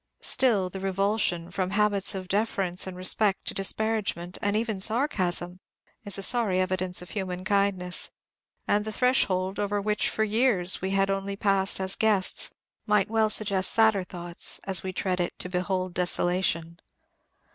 Still, the revulsion, from habits of deference and respect, to disparagement, and even sarcasm, is a sorry evidence of human kindness; and the threshold, over which for years we had only passed as guests, might well suggest sadder thoughts as we tread it to behold desolation.